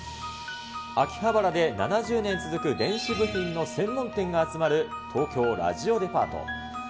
秋葉原で７０年続く電子部品の専門店が集まる、東京ラジオデパート。